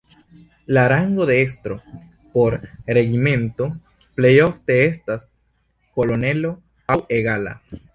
La rango de estro por regimento plej ofte estas kolonelo aŭ egala.